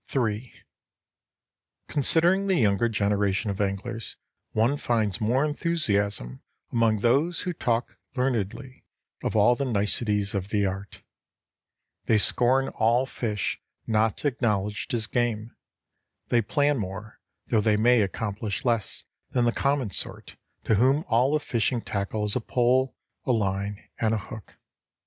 III Considering the younger generation of anglers, one finds more enthusiasm among those who talk learnedly of all the niceties of the art. They scorn all fish not acknowledged as game. They plan more, though they may accomplish less than the common sort to whom all of fishing tackle is a pole, a line, and a hook.